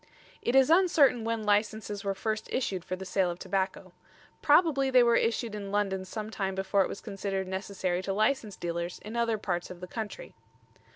It is uncertain when licences were first issued for the sale of tobacco. Probably they were issued in London some time before it was considered necessary to license dealers in other parts of the country.